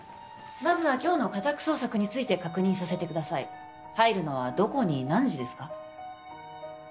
まずは今日の家宅捜索について確認させてください入るのはどこに何時ですか？